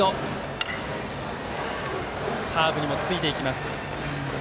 カーブにもついていきます。